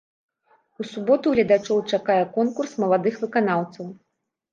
У суботу гледачоў чакае конкурс маладых выканаўцаў.